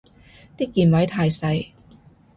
啲鍵位太細